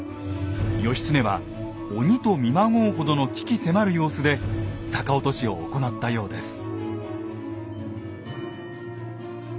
義経は鬼と見まごうほどの鬼気迫る様子で逆落としを行ったようです。